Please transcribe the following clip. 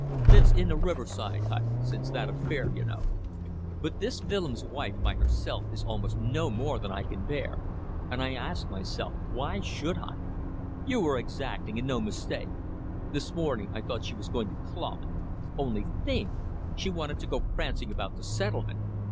Lives in a riverside hut since that affair you know. But this Willems' wife by herself is almost more than I can bear. And I ask myself why should I? You are exacting and no mistake. This morning I thought she was going to claw me. Only think! She wanted to go prancing about the settlement.